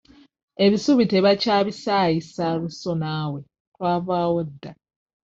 Ebisubi tebakyabisaayisa luso naawe twavaawo dda.